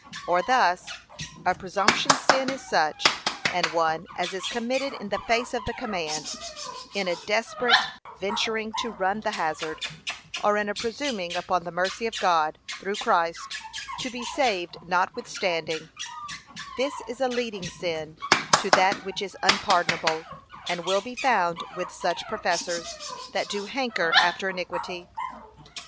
Or thus, a presumptuous sin is such an one as is committed in the face of the command, in a desperate venturing to run the hazard, or in a presuming upon the mercy of God, through Christ, to be saved not withstanding: this is a leading sin to that which is unpardonable, and will be found with such professors; that do hanker after iniquity.